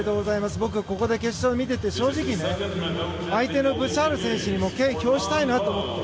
僕ここで決勝見てて正直相手のブシャール選手にも敬意を表したいなと。